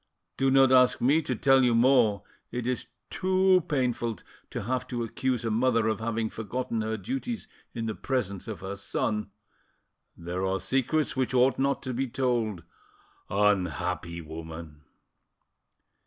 Do not ask me to tell you more; it is too painful to have to accuse a mother of having forgotten her duties in the presence of her son ... there are secrets which ought not to be told—unhappy woman!"